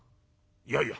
「いやいや。